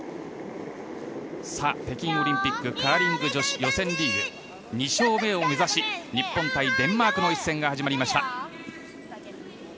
北京オリンピックカーリング女子予選リーグ２勝目を目指し日本対デンマークの試合が始まりました。